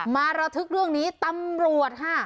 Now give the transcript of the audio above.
มาระทึกเรื่องนี้ตำรวจ